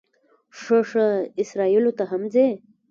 ښه ښه، اسرائیلو ته هم ځې.